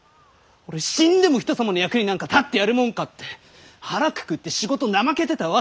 死んでも人様の役になんか立ってやるもんか！って腹くくって仕事怠けてたわけ。